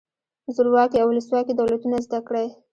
زورواکي او ولسواکي دولتونه زده کړئ.